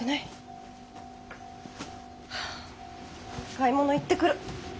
買い物行ってくる。